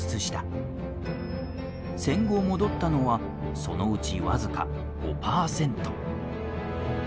戦後戻ったのはそのうち僅か５％。